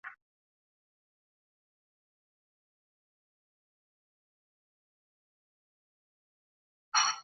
乾隆二十一年以同知摄理台湾县知县。